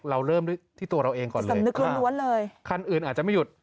เราเริ่มด้วยที่ตัวเราเองก่อนเลยสำนึกล้วนเลยคันอื่นอาจจะไม่หยุด